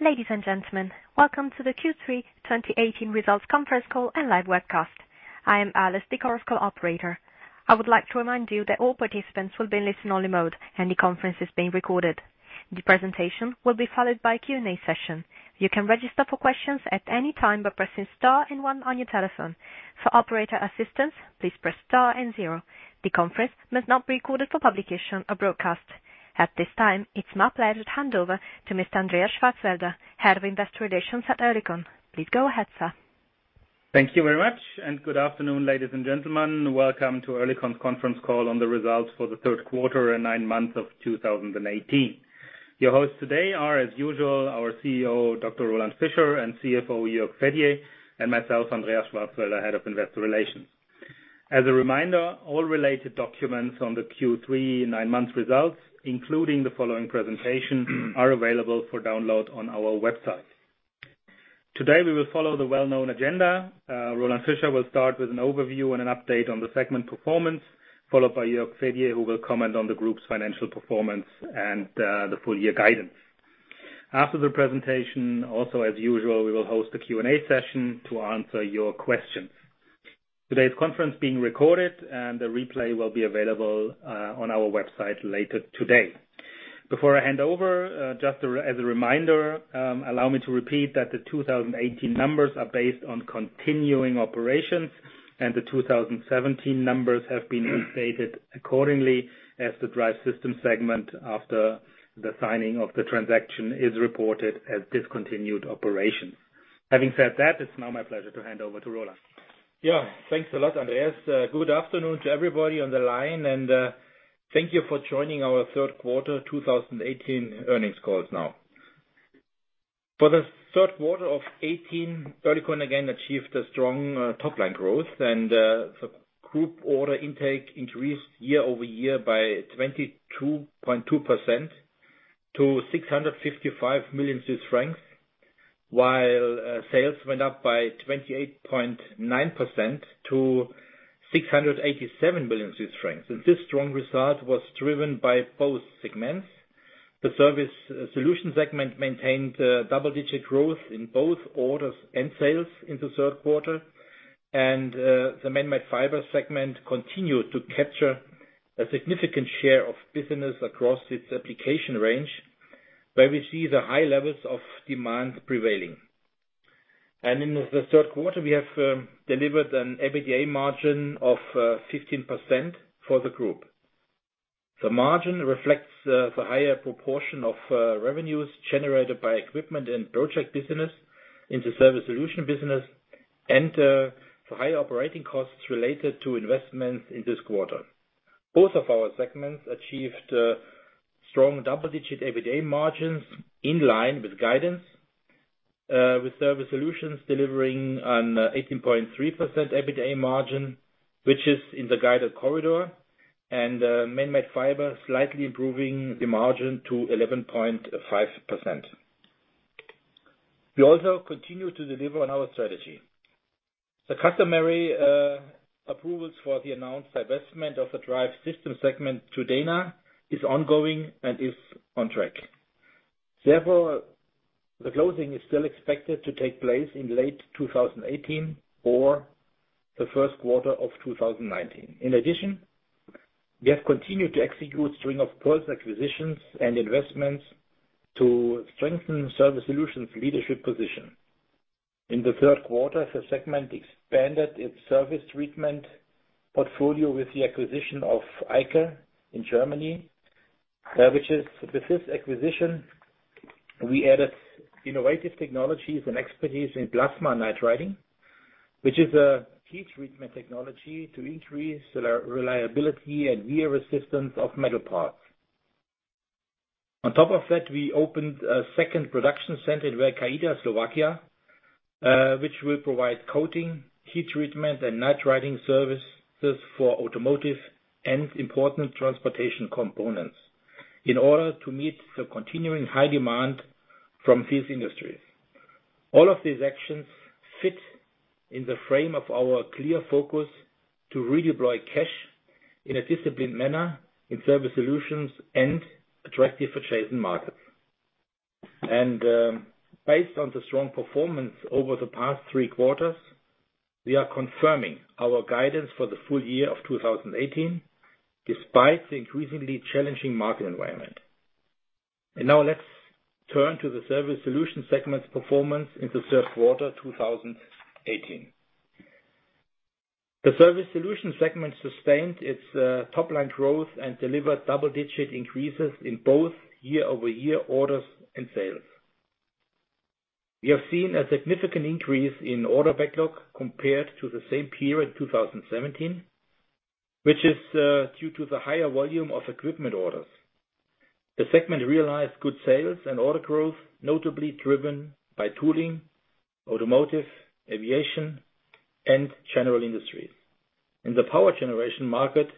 Ladies and gentlemen, welcome to the Q3 2018 results conference call and live webcast. I am Alice, the conference call operator. I would like to remind you that all participants will be in listen-only mode, and the conference is being recorded. The presentation will be followed by a Q&A session. You can register for questions at any time by pressing star and one on your telephone. For operator assistance, please press star and zero. The conference must not be recorded for publication or broadcast. At this time, it is my pleasure to hand over to Mr. Andreas Schwarzwälder, Head of Investor Relations at Oerlikon. Please go ahead, sir. Thank you very much. Good afternoon, ladies and gentlemen. Welcome to Oerlikon's conference call on the results for the third quarter and nine months of 2018. Your hosts today are, as usual, our CEO, Dr. Roland Fischer, CFO, Jürg Fedier, and myself, Andreas Schwarzwälder, Head of Investor Relations. As a reminder, all related documents on the Q3 nine-month results, including the following presentation, are available for download on our website. Today, we will follow the well-known agenda. Roland Fischer will start with an overview and an update on the segment performance, followed by Jürg Fedier, who will comment on the group's financial performance and the full-year guidance. After the presentation, also as usual, we will host a Q&A session to answer your questions. Today's conference is being recorded. The replay will be available on our website later today. Before I hand over, just as a reminder, allow me to repeat that the 2018 numbers are based on continuing operations. The 2017 numbers have been updated accordingly as the Drive Systems segment after the signing of the transaction is reported as discontinued operations. Having said that, it is now my pleasure to hand over to Roland. Thanks a lot, Andreas. Good afternoon to everybody on the line. Thank you for joining our third quarter 2018 earnings call now. For the third quarter of 2018, Oerlikon again achieved a strong top-line growth. The group order intake increased year-over-year by 22.2% to 655 million Swiss francs, while sales went up by 28.9% to 687 million Swiss francs. This strong result was driven by both segments. The Surface Solutions segment maintained double-digit growth in both orders and sales in the third quarter. The Manmade Fibers segment continued to capture a significant share of business across its application range, where we see the high levels of demand prevailing. In the third quarter, we have delivered an EBITDA margin of 15% for the group. The margin reflects the higher proportion of revenues generated by equipment and project business in the Surface Solutions business and the high operating costs related to investments in this quarter. Both of our segments achieved strong double-digit EBITDA margins in line with guidance, with Surface Solutions delivering an 18.3% EBITDA margin, which is in the guided corridor, and Manmade Fibers slightly improving the margin to 11.5%. We also continue to deliver on our strategy. The customary approvals for the announced divestment of the Drive Systems segment to Dana is ongoing and is on track. The closing is still expected to take place in late 2018 or the first quarter of 2019. We have continued to execute a string-of-pearls acquisitions and investments to strengthen Surface Solutions' leadership position. In the third quarter, the segment expanded its service treatment portfolio with the acquisition of Eicker in Germany. With this acquisition, we added innovative technologies and expertise in plasma nitriding, which is a heat treatment technology to increase reliability and wear resistance of metal parts. On top of that, we opened a second production center in Veľká Ida, Slovakia, which will provide coating, heat treatment, and nitriding services for automotive and important transportation components in order to meet the continuing high demand from these industries. All of these actions fit in the frame of our clear focus to redeploy cash in a disciplined manner in Surface Solutions and attractive adjacent markets. Based on the strong performance over the past three quarters, we are confirming our guidance for the full year of 2018, despite the increasingly challenging market environment. Now let's turn to the Surface Solutions segment performance in the third quarter 2018. The Surface Solutions segment sustained its top-line growth and delivered double-digit increases in both year-over-year orders and sales. We have seen a significant increase in order backlog compared to the same period in 2017, which is due to the higher volume of equipment orders. The segment realized good sales and order growth, notably driven by tooling, automotive, aviation, and general industries. In the power generation market,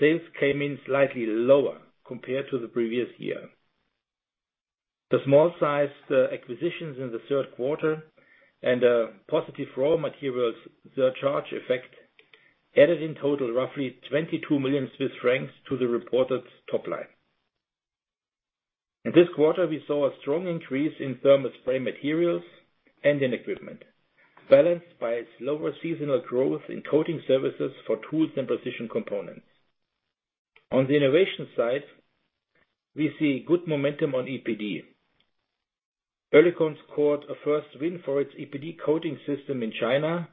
sales came in slightly lower compared to the previous year. The small sized acquisitions in the third quarter and positive raw materials surcharge effect added in total roughly 22 million Swiss francs to the reported top line. In this quarter, we saw a strong increase in thermal spray materials and in equipment, balanced by slower seasonal growth in coating services for tools and precision components. On the innovation side, we see good momentum on ePD. Oerlikon scored a first win for its ePD coating system in China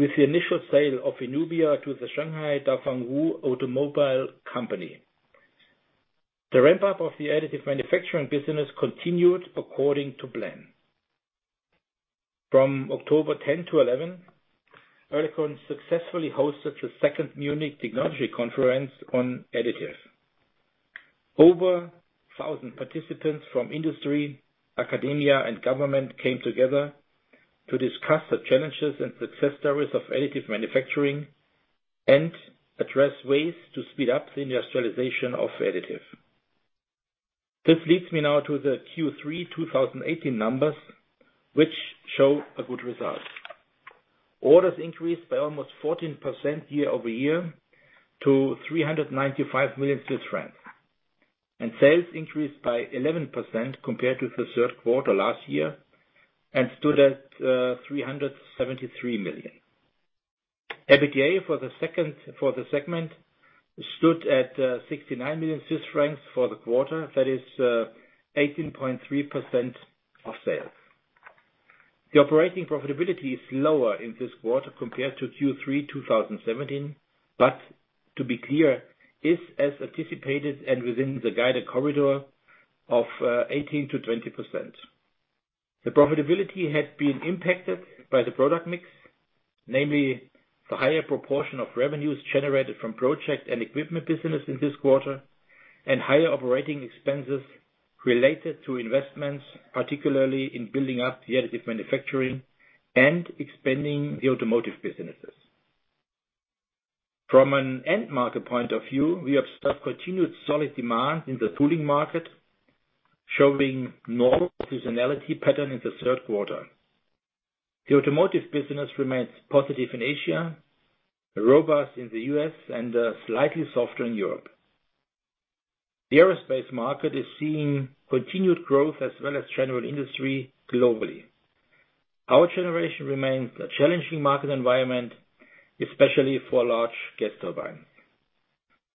with the initial sale of INUBIA to the Shanghai Dafangwuyu Automobile Technology Company. The ramp-up of the additive manufacturing business continued according to plan. From October 10 to 11, Oerlikon successfully hosted the second Munich Technology Conference on Additive Manufacturing. Over 1,000 participants from industry, academia, and government came together to discuss the challenges and success stories of additive manufacturing and address ways to speed up the industrialization of additive. This leads me now to the Q3 2018 numbers, which show a good result. Orders increased by almost 14% year-over-year to CHF 395 million, sales increased by 11% compared to the third quarter last year and stood at 373 million. EBITDA for the segment stood at 69 million Swiss francs for the quarter. That is 18.3% of sales. The operating profitability is lower in this quarter compared to Q3 2017, to be clear, is as anticipated and within the guided corridor of 18%-20%. The profitability had been impacted by the product mix, namely the higher proportion of revenues generated from project and equipment business in this quarter, and higher operating expenses related to investments, particularly in building up the additive manufacturing and expanding the automotive businesses. From an end market point of view, we observe continued solid demand in the tooling market, showing normal seasonality pattern in the third quarter. The automotive business remains positive in Asia, robust in the U.S., and slightly softer in Europe. The aerospace market is seeing continued growth as well as general industry globally. Power generation remains a challenging market environment, especially for large gas turbines.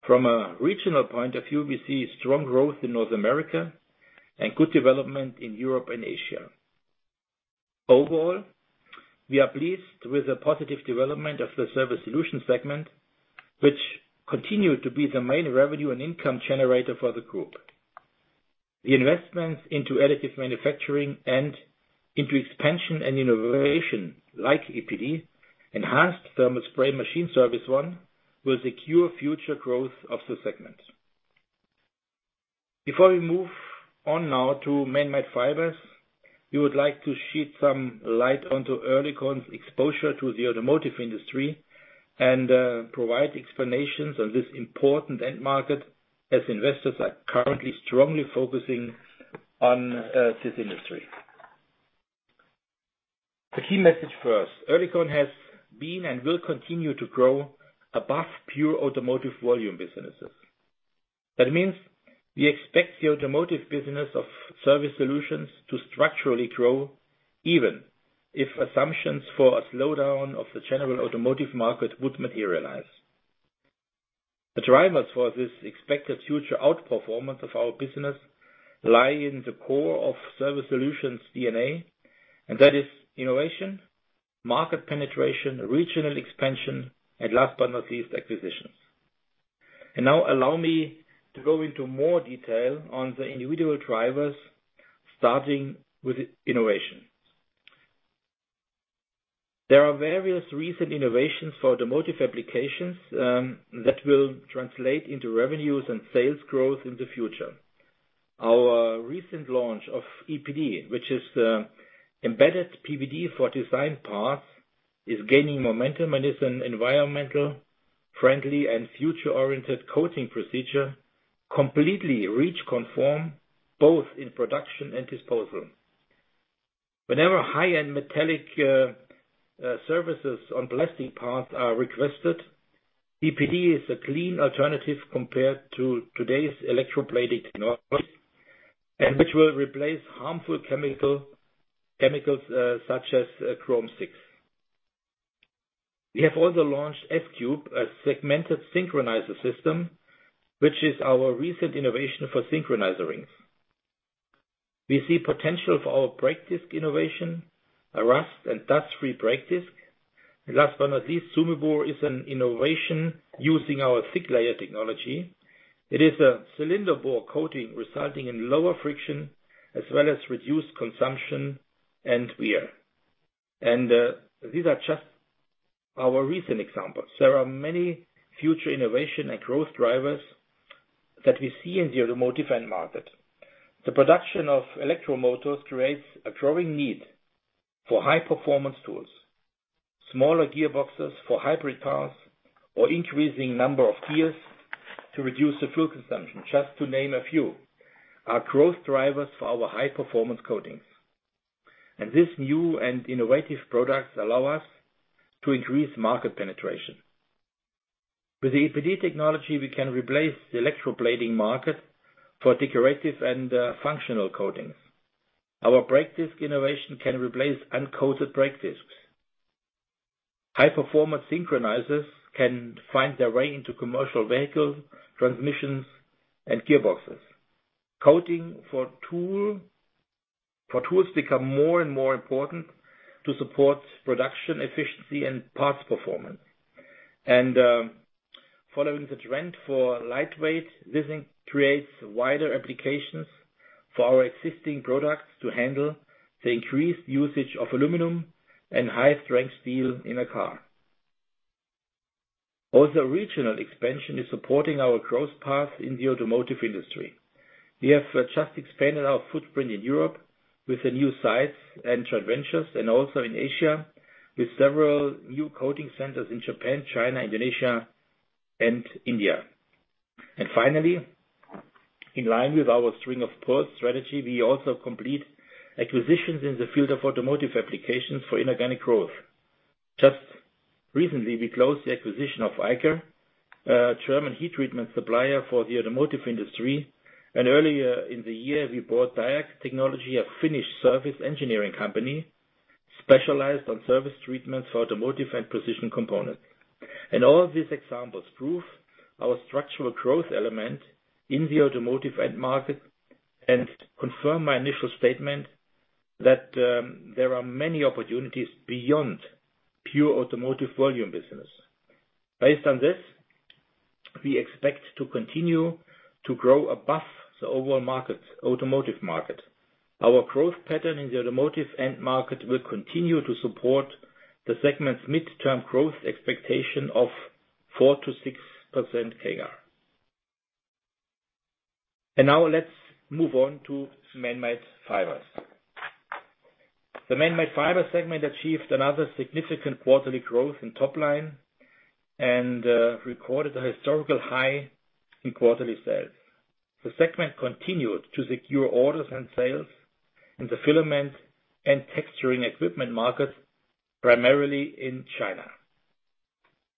From a regional point of view, we see strong growth in North America and good development in Europe and Asia. Overall, we are pleased with the positive development of the Surface Solutions segment, which continue to be the main revenue and income generator for the group. The investments into additive manufacturing and into expansion and innovation like ePD, enhanced thermal spray machine service one, will secure future growth of the segment. Before we move on now to Manmade Fibers, we would like to shed some light onto Oerlikon's exposure to the automotive industry and provide explanations on this important end market, as investors are currently strongly focusing on this industry. The key message first. Oerlikon has been and will continue to grow above pure automotive volume businesses. That means we expect the automotive business of Surface Solutions to structurally grow, even if assumptions for a slowdown of the general automotive market would materialize. The drivers for this expected future outperformance of our business lie in the core of Surface Solutions DNA, that is innovation, market penetration, regional expansion, last but not least, acquisitions. Now allow me to go into more detail on the individual drivers, starting with innovation. There are various recent innovations for automotive applications that will translate into revenues and sales growth in the future. Our recent launch of ePD, which is the embedded PVD for Design Parts, is gaining momentum and is an environmental friendly and future-oriented coating procedure, completely REACH conform both in production and disposal. Whenever high-end metallic services on plastic parts are requested, ePD is a clean alternative compared to today's electroplating which will replace harmful chemicals such as Chromium-6. We have also launched S³, a segmented synchronizer system, which is our recent innovation for synchronizer rings. We see potential for our brake disc innovation, a rust and dust-free brake disc. Last but not least, SUMEBore is an innovation using our thick layer technology. It is a cylinder bore coating resulting in lower friction as well as reduced consumption and wear. These are just our recent examples. There are many future innovation and growth drivers that we see in the automotive end market. The production of electromotors creates a growing need for high-performance tools. Smaller gearboxes for hybrid cars or increasing number of gears to reduce the fuel consumption, just to name a few, are growth drivers for our high-performance coatings. These new and innovative products allow us to increase market penetration. With the ePD technology, we can replace the electroplating market for decorative and functional coatings. Our brake disc innovation can replace uncoated brake discs. High-performance synchronizers can find their way into commercial vehicles, transmissions, and gearboxes. Coating for tools become more and more important to support production efficiency and parts performance. Following the trend for lightweight, this creates wider applications for our existing products to handle the increased usage of aluminum and high-strength steel in a car. Regional expansion is supporting our growth path in the automotive industry. We have just expanded our footprint in Europe with the new sites and joint ventures, and also in Asia with several new coating centers in Japan, China, Indonesia, and India. Finally, in line with our string-of-pearls strategy, we also complete acquisitions in the field of automotive applications for inorganic growth. Just recently, we closed the acquisition of Eicker, a German heat treatment supplier for the automotive industry. Earlier in the year, we bought DIARC Technology, a Finnish surface engineering company specialized on surface treatments for automotive and precision components. All these examples prove our structural growth element in the automotive end market and confirm my initial statement that there are many opportunities beyond pure automotive volume business. Based on this, we expect to continue to grow above the overall automotive market. Our growth pattern in the automotive end market will continue to support the segment's midterm growth expectation of 4%-6% CAGR. Now let's move on to Manmade Fibers. The Manmade Fibers segment achieved another significant quarterly growth in top line and recorded a historical high in quarterly sales. The segment continued to secure orders and sales in the filament and texturing equipment markets, primarily in China.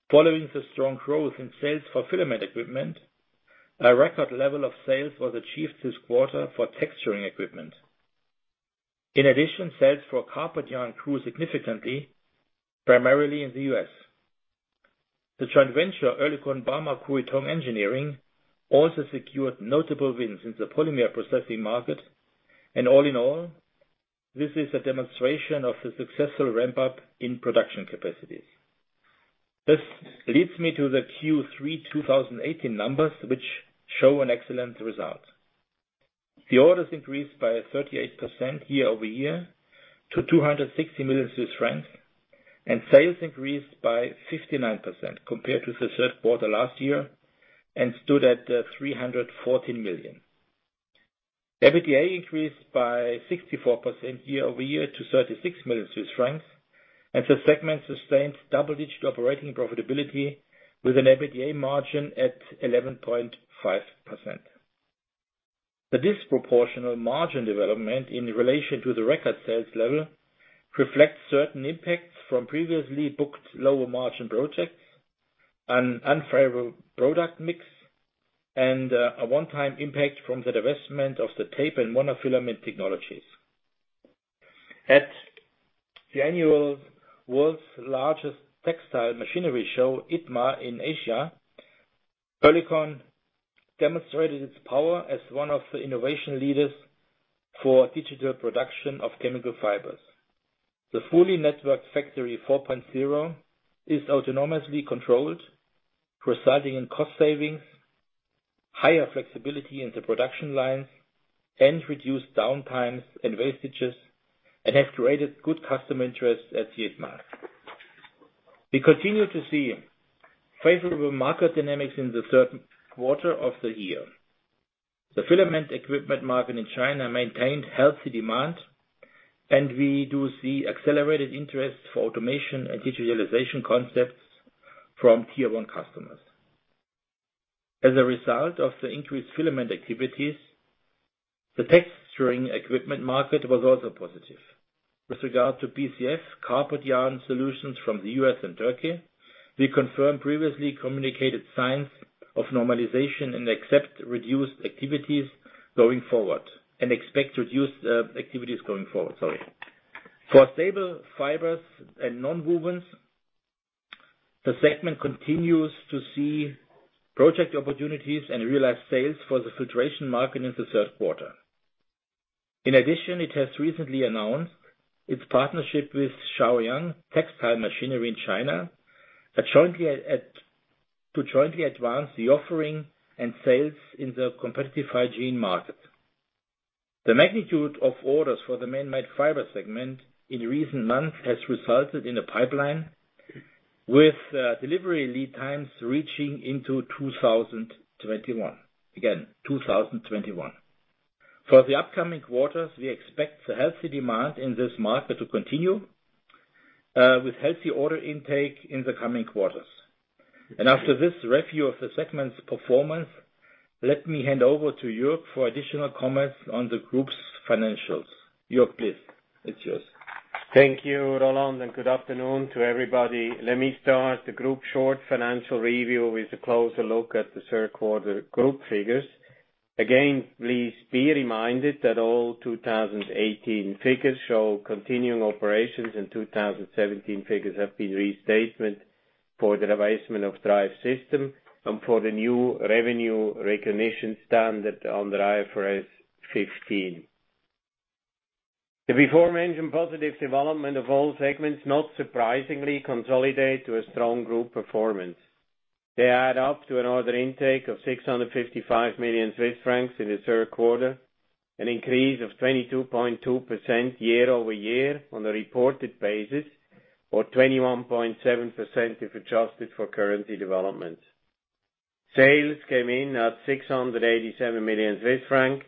Following the strong growth in sales for filament equipment, a record level of sales was achieved this quarter for texturing equipment. In addition, sales for carpet yarn grew significantly, primarily in the U.S. The joint venture, Oerlikon Barmag Huitong Engineering, also secured notable wins in the polymer processing market. All in all, this is a demonstration of the successful ramp-up in production capacities. This leads me to the Q3 2018 numbers, which show an excellent result. The orders increased by 38% year-over-year to 260 million Swiss francs, and sales increased by 59% compared to the third quarter last year and stood at 314 million. EBITDA increased by 64% year-over-year to 36 million Swiss francs, and the segment sustained double-digit operating profitability with an EBITDA margin at 11.5%. The disproportional margin development in relation to the record sales level reflects certain impacts from previously booked lower margin projects, an unfavorable product mix, and an one-time impact from the divestment of the tape and monofilament technologies. At the annual world's largest textile machinery show, ITMA in Asia, Oerlikon demonstrated its power as one of the innovation leaders for digital production of chemical fibers. The fully networked Factory 4.0 is autonomously controlled, resulting in cost savings, higher flexibility in the production lines, and reduced downtimes and wastages, and has created good customer interest at ITMA. We continue to see favorable market dynamics in the third quarter of the year. The filament equipment market in China maintained healthy demand, and we do see accelerated interest for automation and digitalization concepts from tier 1 customers. As a result of the increased filament activities, the texturing equipment market was also positive. With regard to BCF carpet yarn solutions from the U.S. and Turkey, we confirm previously communicated signs of normalization and accept reduced activities going forward. For stable fibers and nonwovens, the segment continues to see project opportunities and realized sales for the filtration market in the third quarter. In addition, it has recently announced its partnership with Shaoyang Textile Machinery in China to jointly advance the offering and sales in the competitive hygiene market. The magnitude of orders for the Manmade Fibers segment in recent months has resulted in a pipeline with delivery lead times reaching into 2021. For the upcoming quarters, we expect the healthy demand in this market to continue, with healthy order intake in the coming quarters. After this review of the segment's performance, let me hand over to Jürg for additional comments on the group's financials. Jürg, please. It's yours. Thank you, Roland, and good afternoon to everybody. Let me start the group short financial review with a closer look at the third quarter group figures. Again, please be reminded that all 2018 figures show continuing operations and 2017 figures have been restatement for the divestment of Drive Systems and for the new revenue recognition standard under IFRS 15. The aforementioned positive development of all segments, not surprisingly, consolidate to a strong group performance. They add up to an order intake of 655 million Swiss francs in the third quarter, an increase of 22.2% year-over-year on the reported basis, or 21.7% if adjusted for currency developments. Sales came in at 687 million Swiss francs.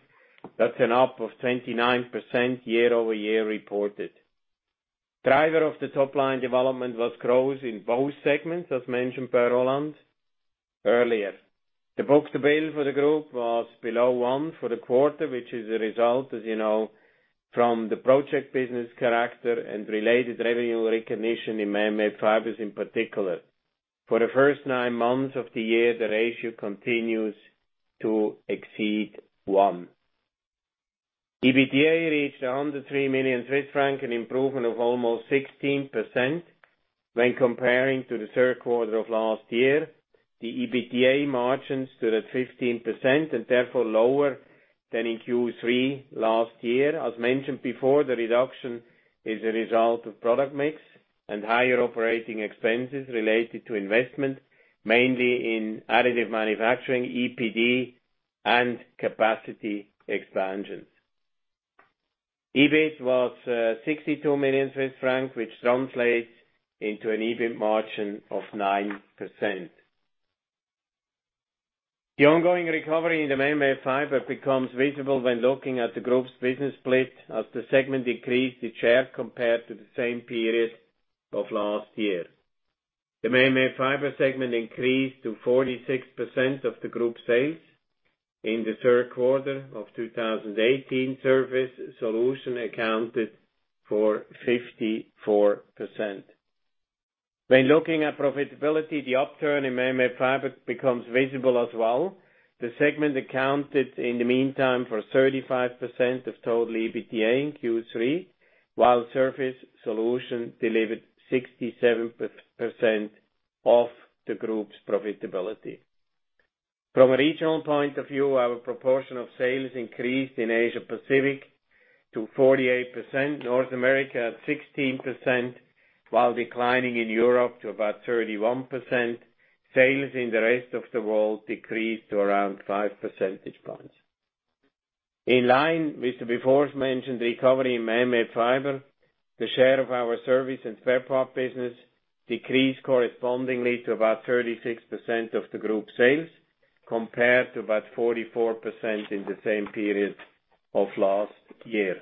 That's an up of 29% year-over-year reported. Driver of the top line development was growth in both segments, as mentioned by Roland earlier. The book-to-bill for the group was below one for the quarter, which is a result, as you know, from the project business character and related revenue recognition in Manmade Fibers in particular. For the first nine months of the year, the ratio continues to exceed one. EBITDA reached 103 million Swiss francs, an improvement of almost 16% when comparing to the third quarter of last year. The EBITDA margins stood at 15% and therefore lower than in Q3 last year. As mentioned before, the reduction is a result of product mix and higher operating expenses related to investment, mainly in additive manufacturing, ePD and capacity expansions. EBIT was 62 million Swiss francs, which translates into an EBIT margin of 9%. The ongoing recovery in the Manmade Fibers becomes visible when looking at the group's business split as the segment increased its share compared to the same period of last year. The Manmade Fibers segment increased to 46% of the group sales in the third quarter of 2018. Surface Solutions accounted for 54%. When looking at profitability, the upturn in Manmade Fibers becomes visible as well. The segment accounted, in the meantime, for 35% of total EBITDA in Q3, while Surface Solutions delivered 67% of the group's profitability. From a regional point of view, our proportion of sales increased in Asia Pacific to 48%, North America at 16%, while declining in Europe to about 31%. Sales in the rest of the world decreased to around five percentage points. In line with the before mentioned recovery in Manmade Fibers, the share of our service and spare parts business decreased correspondingly to about 36% of the group sales, compared to about 44% in the same period of last year.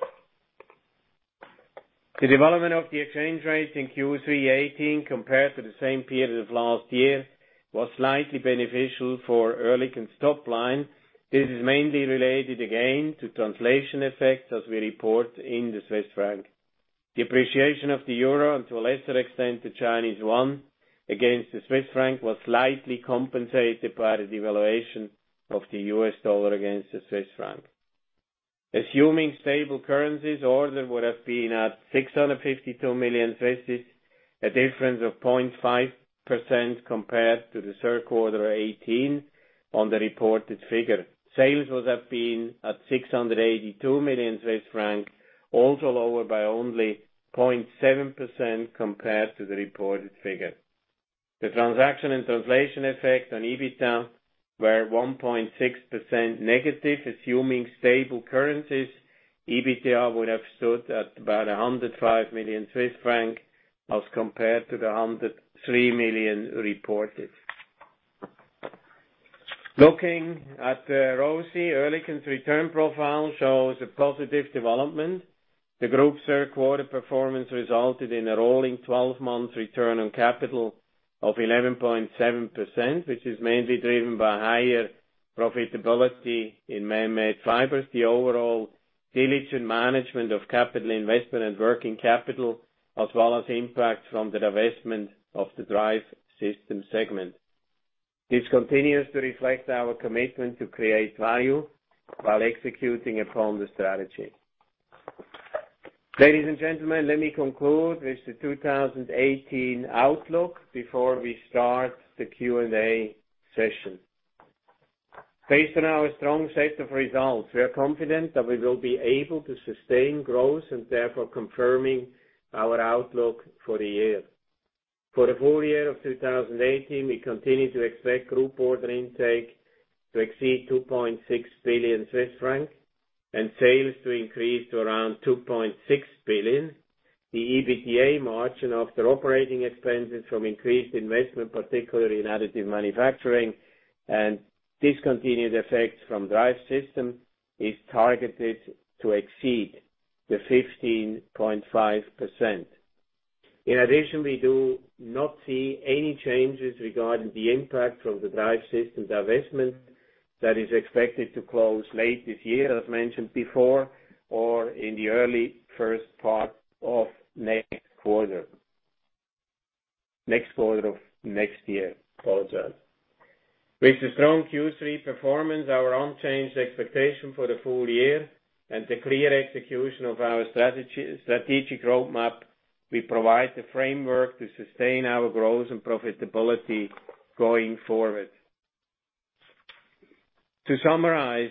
The development of the exchange rate in Q3 2018 compared to the same period of last year was slightly beneficial for Oerlikon's top line. This is mainly related again to translation effects as we report in the Swiss franc. Depreciation of the euro, and to a lesser extent, the Chinese yuan against the Swiss franc was slightly compensated by the devaluation of the US dollar against the Swiss franc. Assuming stable currencies, order would have been at 652 million, a difference of 0.5% compared to the third quarter 2018 on the reported figure. Sales would have been at 682 million Swiss francs, also lower by only 0.7% compared to the reported figure. The transaction and translation effect on EBITDA were 1.6% negative. Assuming stable currencies, EBITDA would have stood at about 105 million Swiss franc as compared to the 103 million reported. Looking at the ROCE, Oerlikon's return profile shows a positive development. The group's third quarter performance resulted in a rolling 12 months return on capital of 11.7%, which is mainly driven by higher profitability in Manmade Fibers, the overall diligent management of capital investment and working capital, as well as impact from the divestment of the Drive Systems segment. This continues to reflect our commitment to create value while executing upon the strategy. Ladies and gentlemen, let me conclude with the 2018 outlook before we start the Q&A session. Based on our strong set of results, we are confident that we will be able to sustain growth and therefore confirming our outlook for the year. For the full year of 2018, we continue to expect group order intake to exceed 2.6 billion Swiss francs and sales to increase to around 2.6 billion. The EBITDA margin after operating expenses from increased investment, particularly in additive manufacturing and discontinued effects from Drive Systems, is targeted to exceed 15.5%. In addition, we do not see any changes regarding the impact from the Drive Systems divestment that is expected to close late this year, as mentioned before, or in the early first part of next year. With the strong Q3 performance, our unchanged expectation for the full year, and the clear execution of our strategic roadmap, we provide the framework to sustain our growth and profitability going forward. To summarize,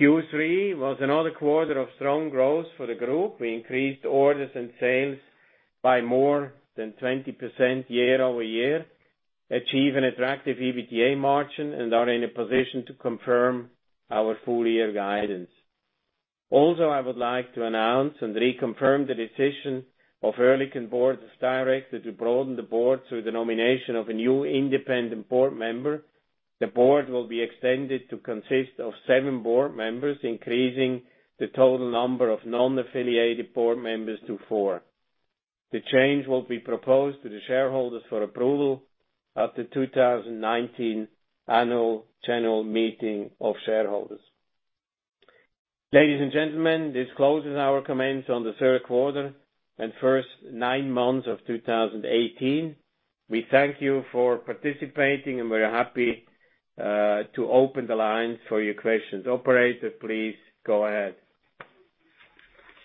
Q3 was another quarter of strong growth for the group. We increased orders and sales by more than 20% year-over-year, achieve an attractive EBITDA margin, and are in a position to confirm our full-year guidance. Also, I would like to announce and reconfirm the decision of Oerlikon Board of Directors to broaden the board through the nomination of a new independent board member. The board will be extended to consist of seven board members, increasing the total number of non-affiliated board members to four. The change will be proposed to the shareholders for approval at the 2019 Annual General Meeting of Shareholders. Ladies and gentlemen, this closes our comments on the third quarter and first nine months of 2018. We thank you for participating, and we're happy to open the lines for your questions. Operator, please go ahead.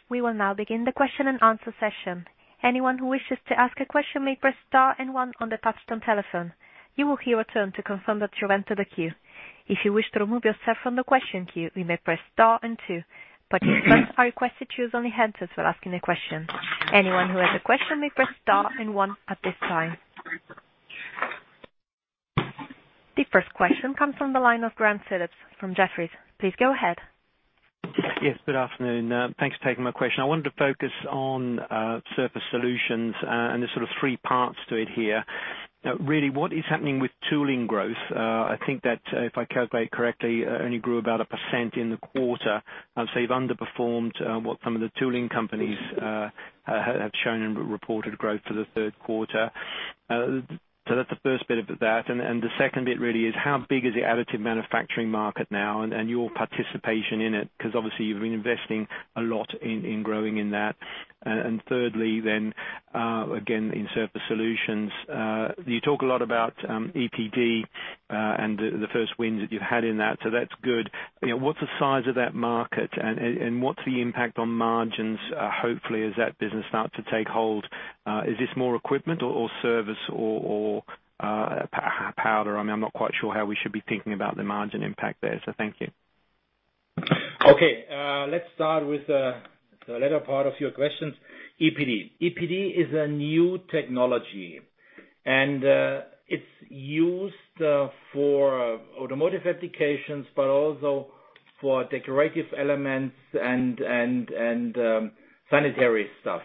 We will now begin the question and answer session. Anyone who wishes to ask a question may press star and one on the touchtone telephone. You will hear a tone to confirm that you entered the queue. If you wish to remove yourself from the question queue, you may press star and two. Participants are requested to use only handsets when asking a question. Anyone who has a question may press star and one at this time. The first question comes from the line of Grant Phillips from Jefferies. Please go ahead. Yes, good afternoon. Thanks for taking my question. I wanted to focus on Surface Solutions, and there's sort of three parts to it here. Really, what is happening with tooling growth? I think that, if I calculate correctly, only grew about a percent in the quarter. You've underperformed what some of the tooling companies have shown in reported growth for the third quarter. That's the first bit of that. The second bit really is how big is the additive manufacturing market now and your participation in it? Because obviously you've been investing a lot in growing in that. Thirdly then, again, in Surface Solutions, you talk a lot about ePD, and the first wins that you've had in that, so that's good. What's the size of that market and what's the impact on margins, hopefully, as that business starts to take hold? Is this more equipment or service or powder? I'm not quite sure how we should be thinking about the margin impact there. Thank you. Okay. Let's start with the latter part of your questions. ePD. ePD is a new technology, it is used for automotive applications, but also for decorative elements and sanitary stuff.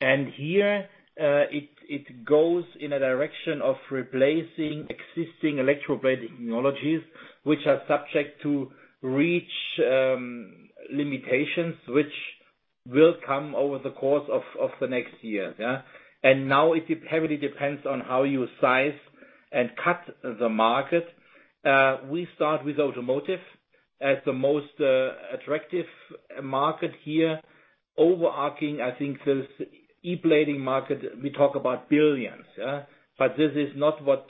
Here, it goes in a direction of replacing existing electroplating technologies, which are subject to REACH limitations, which will come over the course of the next years. Yeah. Now it heavily depends on how you size and cut the market. We start with automotive as the most attractive market here. Overarching, I think this electroplating market, we talk about billions. This is not what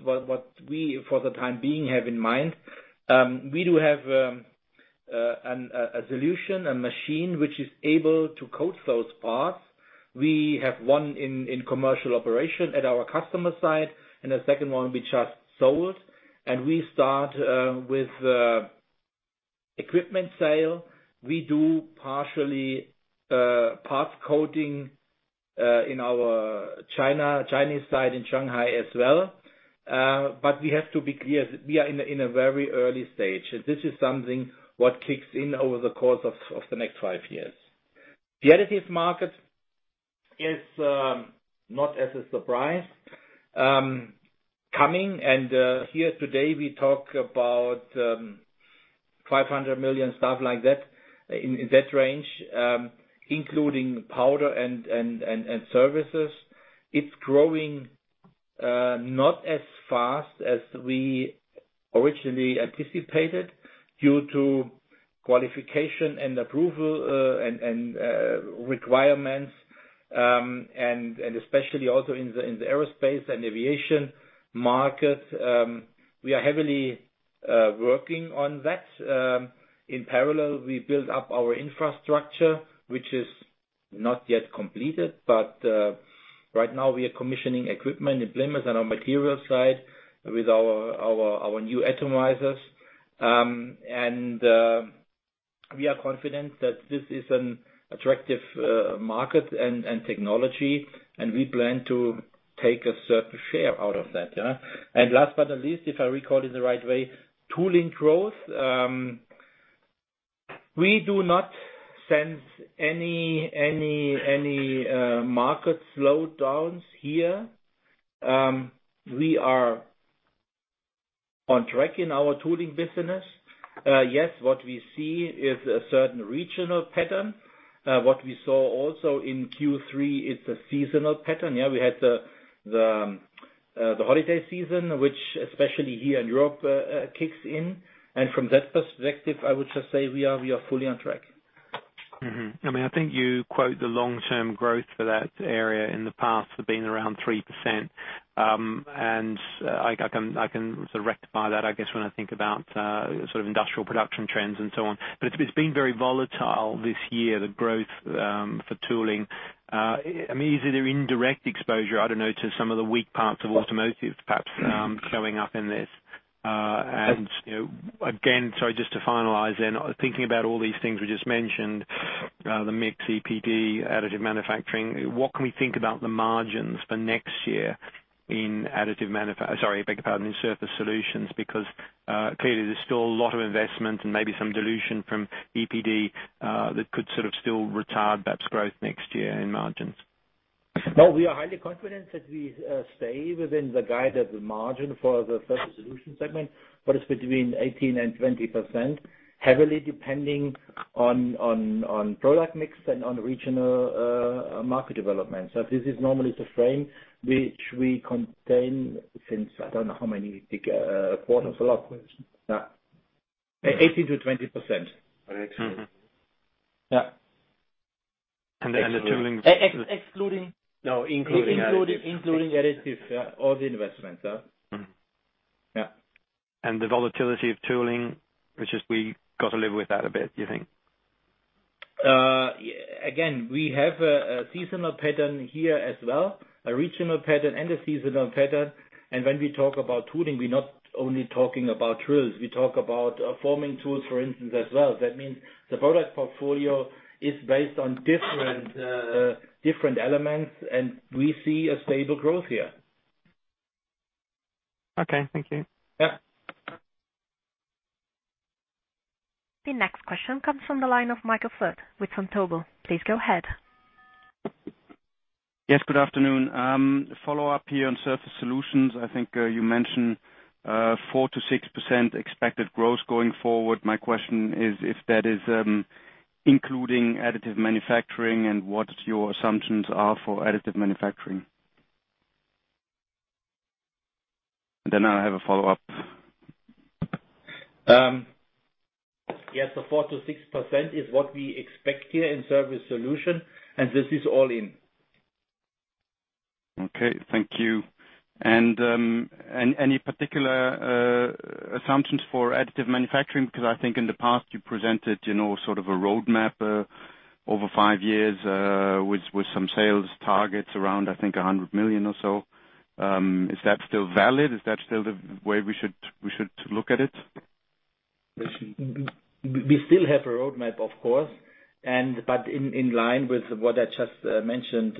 we, for the time being, have in mind. We do have a solution, a machine, which is able to coat those parts. We have one in commercial operation at our customer site, and a second one we just sold. We start with equipment sale. We do partially parts coating in our Chinese site in Shanghai as well. We have to be clear, we are in a very early stage, and this is something what kicks in over the course of the next five years. The additives market is not as a surprise coming, and here today, we talk about 500 million, stuff like that, in that range, including powder and services. It is growing not as fast as we originally anticipated due to qualification and approval and requirements, and especially also in the aerospace and aviation market. We are heavily working on that. In parallel, we build up our infrastructure, which is not yet completed, but right now we are commissioning equipment in Plymouth on our material side with our new atomizers. We are confident that this is an attractive market and technology, and we plan to take a certain share out of that. Last but not least, if I recall it the right way, tooling growth We do not sense any market slowdowns here. We are on track in our tooling business. Yes, what we see is a certain regional pattern. What we saw also in Q3 is the seasonal pattern. We had the holiday season, which especially here in Europe, kicks in. From that perspective, I would just say we are fully on track. Mm-hmm. I think you quote the long-term growth for that area in the past have been around 3%, I can rectify that, I guess, when I think about sort of industrial production trends and so on. It's been very volatile this year, the growth for tooling. Is it a indirect exposure, I don't know, to some of the weak parts of automotive, perhaps, showing up in this? Again, sorry, just to finalize then, thinking about all these things we just mentioned, the mix, ePD, additive manufacturing, what can we think about the margins for next year in Surface Solutions? Because, clearly there's still a lot of investment and maybe some dilution from ePD, that could sort of still retard perhaps growth next year in margins. No, we are highly confident that we stay within the guided margin for the Surface Solutions segment, it's between 18%-20%, heavily depending on product mix and on regional market development. This is normally the frame which we contain since, I don't know how many quarters. A lot. 18%-20%. Yeah. The tooling- Excluding- No, including additive. Including additive, yeah. All the investments. Yeah. The volatility of tooling, we got to live with that a bit, you think? Again, we have a seasonal pattern here as well, a regional pattern and a seasonal pattern. When we talk about tooling, we're not only talking about drills, we talk about forming tools, for instance, as well. That means the product portfolio is based on different elements, and we see a stable growth here. Okay, thank you. Yeah. The next question comes from the line of Michael Flath with MainFirst. Please go ahead. Yes, good afternoon. Follow-up here on Surface Solutions. I think you mentioned 4%-6% expected growth going forward. My question is if that is including additive manufacturing, and what your assumptions are for additive manufacturing. Then I have a follow-up. Yes, the 4%-6% is what we expect here in Surface Solutions, and this is all in. Okay. Thank you. Any particular assumptions for additive manufacturing? I think in the past you presented sort of a roadmap over five years, with some sales targets around, I think, 100 million or so. Is that still valid? Is that still the way we should look at it? We still have a roadmap, of course, in line with what I just mentioned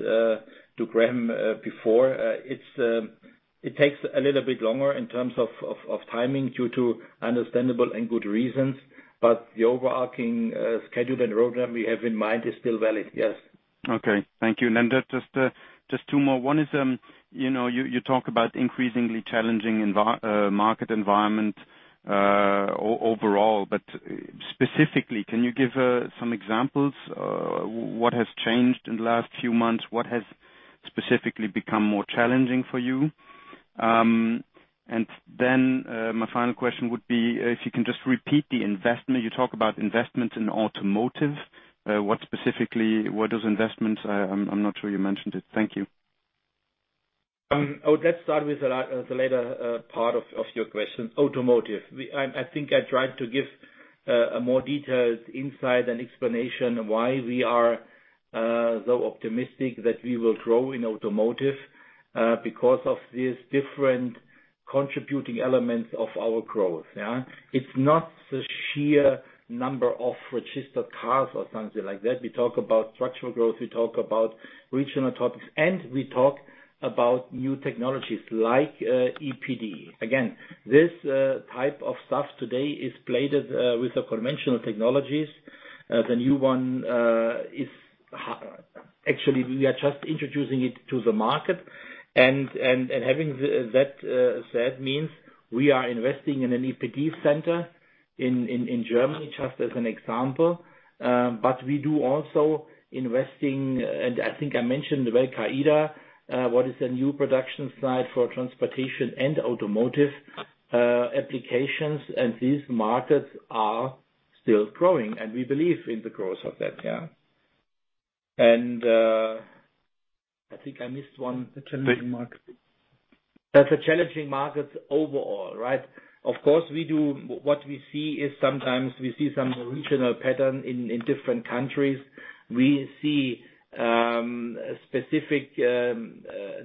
to Grant before, it takes a little bit longer in terms of timing due to understandable and good reasons, the overarching schedule and program we have in mind is still valid, yes. Okay. Thank you. Just two more. One is, you talk about increasingly challenging market environment overall, specifically, can you give some examples? What has changed in the last few months? What has specifically become more challenging for you? My final question would be, if you can just repeat the investment. You talk about investments in automotive. What are those investments? I am not sure you mentioned it. Thank you. Let's start with the later part of your question, automotive. I think I tried to give a more detailed insight and explanation why we are so optimistic that we will grow in automotive, because of these different contributing elements of our growth. It is not the sheer number of registered cars or something like that. We talk about structural growth, we talk about regional topics, and we talk about new technologies like ePD. Again, this type of stuff today is plated with the conventional technologies. The new one, actually we are just introducing it to the market, having that said, means we are investing in an ePD center in Germany, just as an example. We do also investing, I think I mentioned Veľká Ida, what is a new production site for transportation and automotive applications, these markets are still growing, we believe in the growth of that. I think I missed one. The challenging markets. That's a challenging market overall, right? What we see is sometimes we see some regional pattern in different countries. We see specific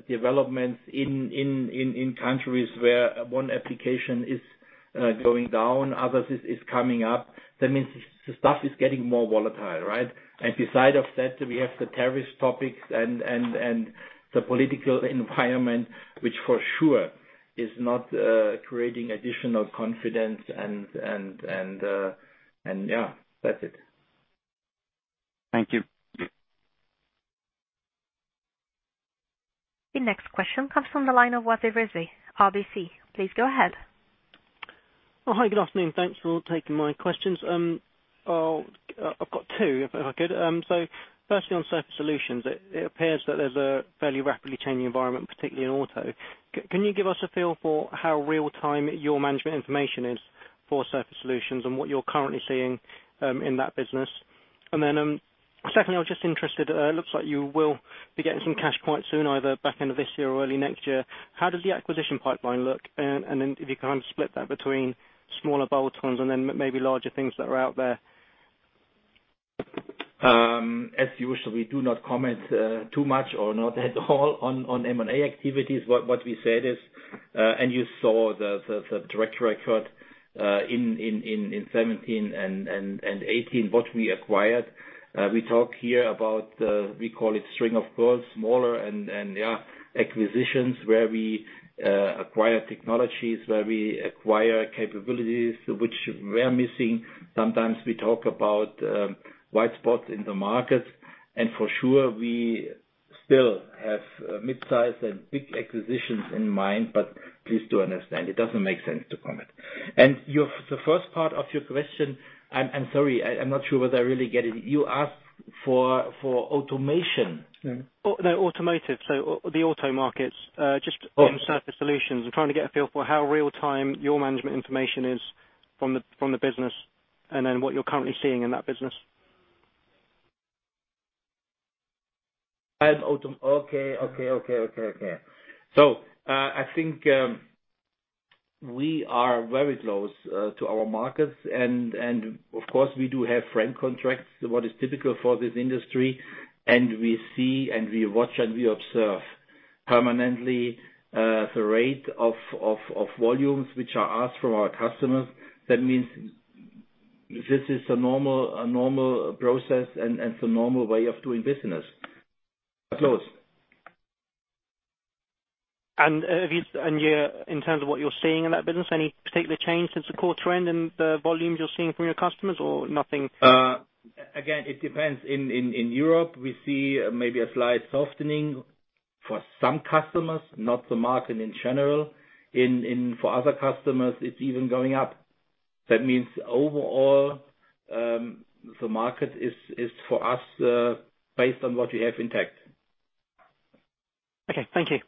developments in countries where one application is going down, others is coming up. That means the stuff is getting more volatile, right? Besides that, we have the terrorist topics and the political environment, which for sure Is not creating additional confidence and yeah, that's it. Thank you. The next question comes from the line of Wasi Rizvi, RBC. Please go ahead. Well, hi. Good afternoon. Thanks for taking my questions. I've got two, if I could. Firstly, on Surface Solutions, it appears that there's a fairly rapidly changing environment, particularly in auto. Can you give us a feel for how real time your management information is for Surface Solutions and what you're currently seeing in that business? Secondly, I was just interested, it looks like you will be getting some cash quite soon, either back end of this year or early next year. How does the acquisition pipeline look? If you can kind of split that between smaller bolt-ons and then maybe larger things that are out there. As usual, we do not comment too much or not at all on M&A activities. What we said is, and you saw the directory record, in 2017 and 2018, what we acquired. We talked here about, we call it string of pearls, smaller and acquisitions where we acquire technologies, where we acquire capabilities which were missing. Sometimes we talk about white spots in the markets, and for sure, we still have mid-size and big acquisitions in mind, but please do understand, it doesn't make sense to comment. The first part of your question, I'm sorry, I'm not sure whether I really get it. You asked for automation? No, automotive. The auto markets, just in Surface Solutions. I'm trying to get a feel for how real time your management information is from the business, and then what you're currently seeing in that business. Okay. I think we are very close to our markets and, of course, we do have frame contracts, what is typical for this industry, and we see and we watch and we observe permanently, the rate of volumes which are asked from our customers. That means this is a normal process and the normal way of doing business. Up close. In terms of what you're seeing in that business, any particular change since the quarter end in the volumes you're seeing from your customers or nothing? Again, it depends. In Europe, we see maybe a slight softening for some customers, not the market in general. For other customers, it is even going up. That means overall, the market is for us, based on what we have intact. Okay. Thank you.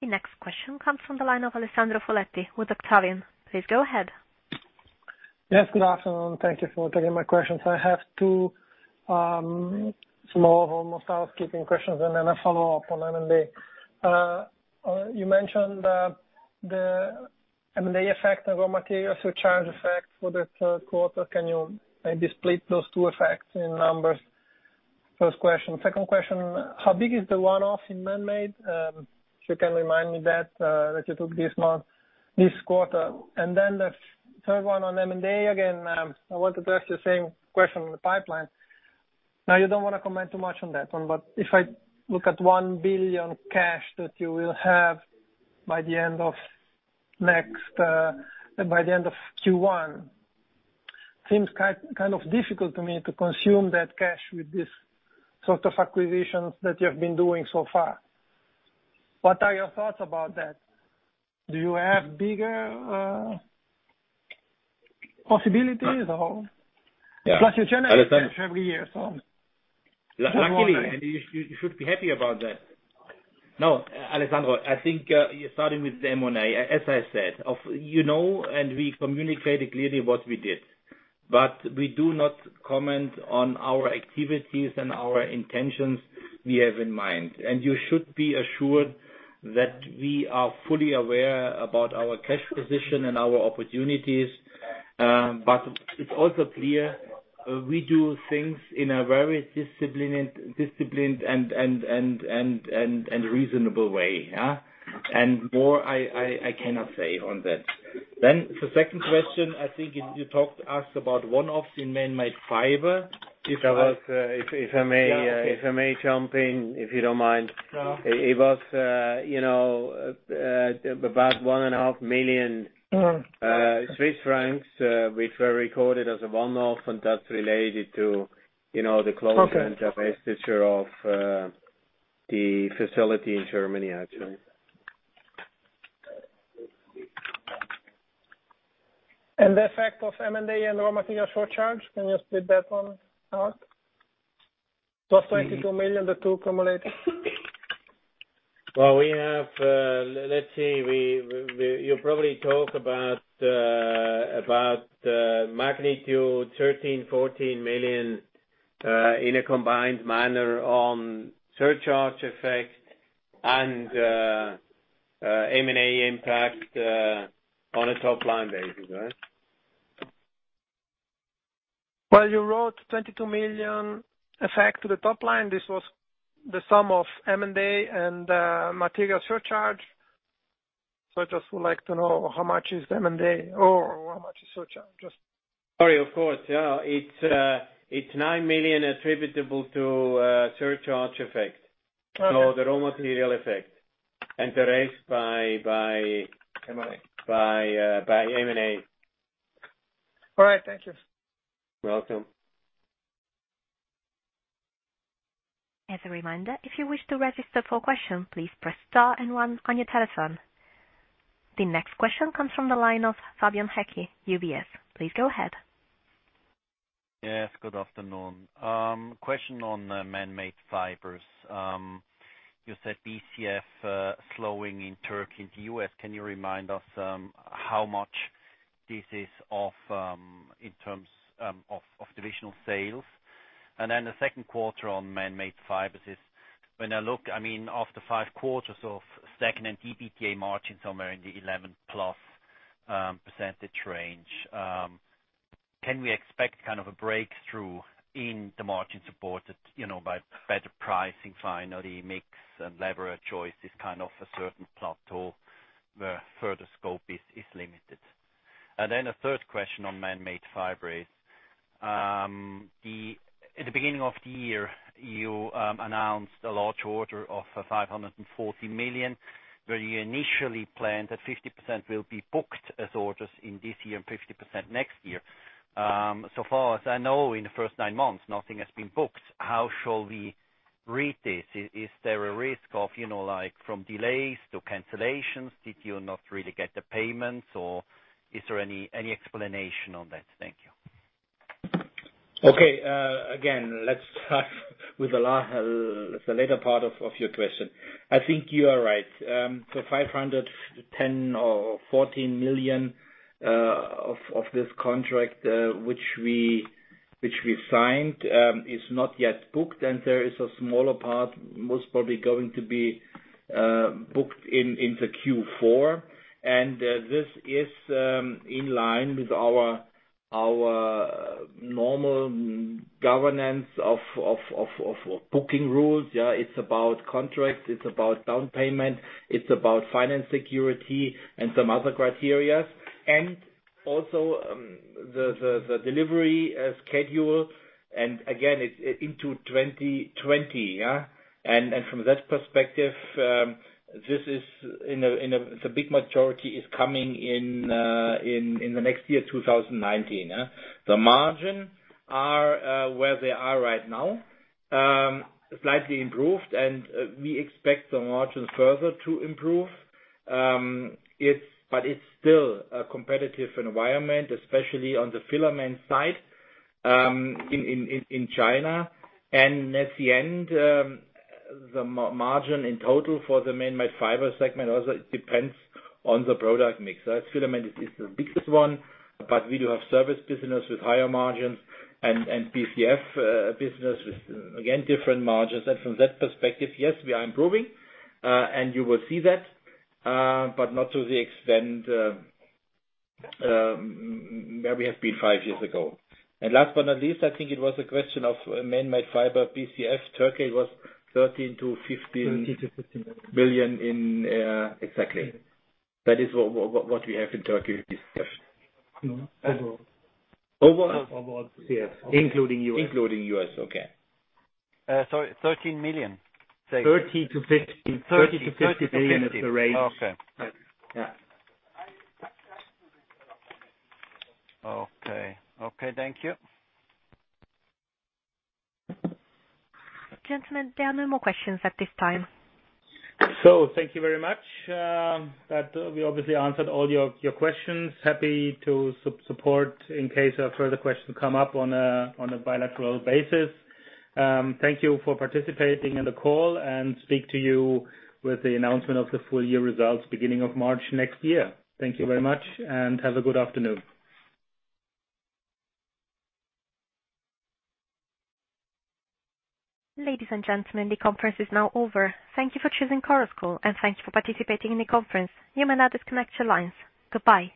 The next question comes from the line of Alessandro Foletti with Octavian. Please go ahead. Yes, good afternoon. Thank you for taking my questions. I have two, small housekeeping questions, then a follow-up on M&A. You mentioned the M&A effect of raw materials surcharge effect for this quarter. Can you maybe split those two effects in numbers? First question. Second question, how big is the one-off in Manmade? If you can remind me that you took this quarter. Then the third one on M&A again, I want to address the same question on the pipeline. You don't want to comment too much on that one, but if I look at 1 billion cash that you will have by the end of Q1, seems kind of difficult to me to consume that cash with this sort of acquisitions that you have been doing so far. What are your thoughts about that? Do you have bigger possibilities or? Yeah. You generate cash every year. Luckily, you should be happy about that. No, Alessandro, I think you're starting with the M&A. As I said, you know, we communicated clearly what we did. We do not comment on our activities and our intentions we have in mind. You should be assured that we are fully aware about our cash position and our opportunities. It's also clear we do things in a very disciplined and reasonable way. More I cannot say on that. The second question, I think you asked about one-offs in Manmade Fibers. If I may. Yeah, okay. If I may jump in, if you don't mind. No. It was about one and a half million Swiss francs, which were recorded as a one-off, and that's related to the closure- Okay. Divestiture of the facility in Germany, actually. The effect of M&A and raw material surcharge, can you split that one out? Plus 22 million, the two cumulative. Well, let's see. You probably talk about magnitude 13 million, 14 million, in a combined manner on surcharge effect and M&A impact, on a top-line basis, right? Well, you wrote 22 million effect to the top line. This was the sum of M&A and material surcharge? I just would like to know how much is M&A or how much is surcharge. Sorry, of course. Yeah. It's 9 million attributable to surcharge effect. Okay. The raw material effect. M&A. By M&A. All right. Thank you. You're welcome. As a reminder, if you wish to register for question, please press star and one on your telephone. The next question comes from the line of Fabian Haecki, UBS. Please go ahead. Yes, good afternoon. Question on Manmade Fibers. You said BCF slowing in Turkey and the U.S. Can you remind us how much this is in terms of divisional sales? Then the second quarter on Manmade Fibers is, when I look, after five quarters of second and EBITDA margin somewhere in the 11+% range, can we expect a breakthrough in the margin support by better pricing finally, mix and labor choice is a certain plateau where further scope is limited. Then a third question on Manmade Fibers. At the beginning of the year, you announced a large order of 540 million, where you initially planned that 50% will be booked as orders in this year and 50% next year. So far as I know, in the first nine months, nothing has been booked. How shall we read this? Is there a risk of delays to cancellations? Did you not really get the payments, or is there any explanation on that? Thank you. Okay. Again, let's start with the later part of your question. I think you are right. 510 or 14 million of this contract, which we signed, is not yet booked. There is a smaller part, most probably going to be booked in Q4. This is in line with our normal governance of booking rules. It's about contract, it's about down payment, it's about finance security and some other criteria. Also, the delivery schedule, and again, it's into 2020. From that perspective, the big majority is coming in the next year, 2019. The margin are where they are right now. Slightly improved, and we expect the margin further to improve. It's still a competitive environment, especially on the filament side in China. At the end, the margin in total for the Manmade Fibers segment also depends on the product mix. Filament is the biggest one, but we do have service business with higher margins and BCF business with, again, different margins. From that perspective, yes, we are improving, and you will see that, but not to the extent where we have been five years ago. Last but not least, I think it was a question of Manmade Fibers, BCF. Turkey was 13 to 15- 13 to 15. -million in. Exactly. That is what we have in Turkey discussion. No. Overall. Overall? Overall. BCF. Including U.S. Including U.S. Okay. Sorry, 13 million? 30-50. 30 million-50 million is the range. Okay. Yeah. Okay. Thank you. Gentlemen, there are no more questions at this time. Thank you very much. That we obviously answered all your questions. Happy to support in case further questions come up on a bilateral basis. Thank you for participating in the call and speak to you with the announcement of the full year results beginning of March next year. Thank you very much, and have a good afternoon. Ladies and gentlemen, the conference is now over. Thank you for choosing Chorus Call, and thanks for participating in the conference. You may now disconnect your lines. Goodbye.